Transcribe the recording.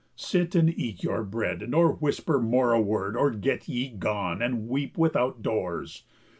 Sit, and eat your bread, Nor whisper more a word; or get ye gone, And weep without doors.